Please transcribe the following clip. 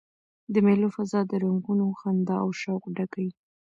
د مېلو فضا د رنګونو، خندا او شوق ډکه يي.